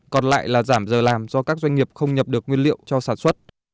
còn lại là giảm giờ làm do các doanh nghiệp không nhập được nguyên liệu cho sản xuất